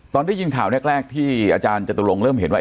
ตอนได้ยินข่าวแรกที่อาจารย์จตุลงเริ่มเห็นว่า